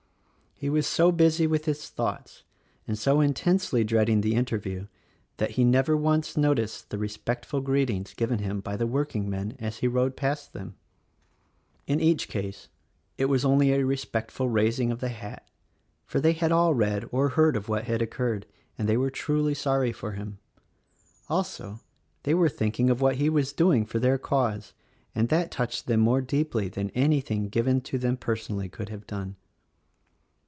He was so busy with his thoughts and so intensely dreading the interview that he never once noticed the respectful greetings given him by the workingmen as he rode past them. In each case it was only a respectful raising of the hat, for they had all read or heard of what had occurred, and they were truly sorry for him. Also, they were thinking of what he was doing for their cause; and that touched them more deeply than anything given to them personally could have done.